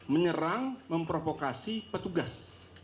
menyerang memprovokasi petugas